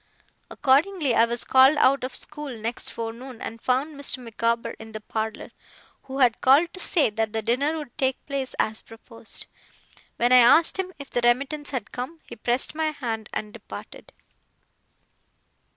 Accordingly I was called out of school next forenoon, and found Mr. Micawber in the parlour; who had called to say that the dinner would take place as proposed. When I asked him if the remittance had come, he pressed my hand and departed.